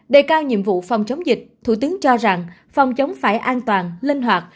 đề cao nhiệm vụ phòng chống dịch thủ tướng cho rằng phòng chống phải an toàn linh hoạt